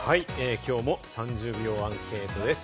今日も３０秒アンケートです。